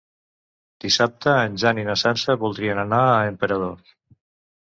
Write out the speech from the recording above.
Dissabte en Jan i na Sança voldrien anar a Emperador.